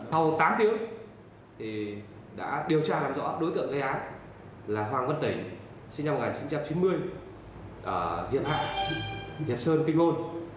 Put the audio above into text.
hoàng văn tỉnh sinh năm một nghìn chín trăm chín mươi hiệp hạng hiệp sơn kinh môn